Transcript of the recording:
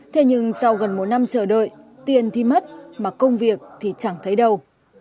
thế nhưng sau gần một năm chờ đợi tiền thì mất mà công việc thì chẳng thấy đâu